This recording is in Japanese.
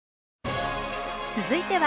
続いては